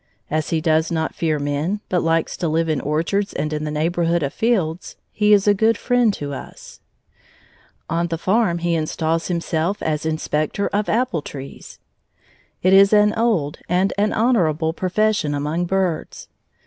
As he does not fear men, but likes to live in orchards and in the neighborhood of fields, he is a good friend to us. On the farm he installs himself as Inspector of Apple trees. It is an old and an honorable profession among birds.